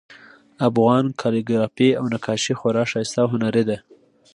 افغان کالیګرافي او نقاشي خورا ښایسته او هنري ده